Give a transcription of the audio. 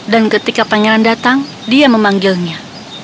dan ketika pangeran datang dia memanggilnya